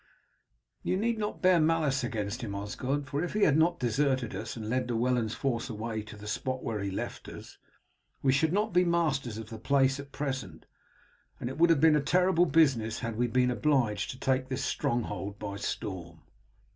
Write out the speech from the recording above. "You need not bear malice against him, Osgod; for if he had not deserted us and led Llewellyn's force away to the spot where he left us, we should not be masters of the place as at present, and it would have been a terrible business had we been obliged to take this stronghold by storm."